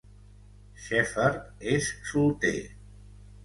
Shepherd és solter.